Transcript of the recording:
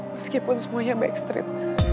meskipun semuanya backstreet